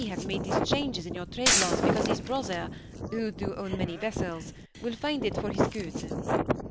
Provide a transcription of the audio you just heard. have made these changes in your traderlaws because his brother, who do own many vessels, will find it for his good.''